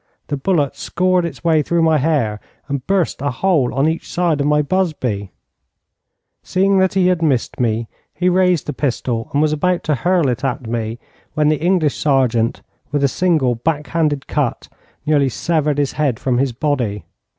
The bullet scored its way through my hair and burst a hole on each side of my busby. Seeing that he had missed me, he raised the pistol and was about to hurl it at me when the English sergeant, with a single back handed cut, nearly severed his head from his body.